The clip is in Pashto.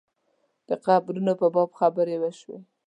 د قبرونو په باب خبرې وشوې.